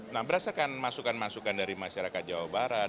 nah berdasarkan masukan masukan dari masyarakat jawa barat